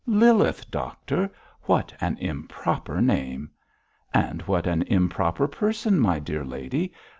'Lilith, doctor! what an improper name!' 'And what an improper person, my dear lady.